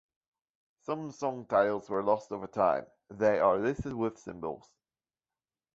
Some song titles were lost over time, they are listed with symbols.